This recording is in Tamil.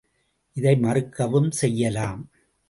இதை மறுக்கவும் செய்யலாம்.